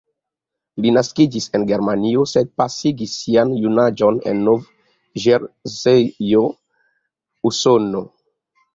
Li naskiĝis en Germanio, sed pasigis sian junaĝon en Nov-Ĵerzejo, Usono.